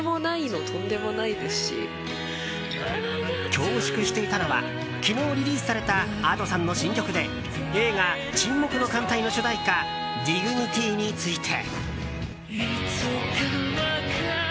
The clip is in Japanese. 恐縮していたのは昨日リリースされたＡｄｏさんの新曲で映画「沈黙の艦隊」の主題歌「ＤＩＧＮＩＴＹ」について。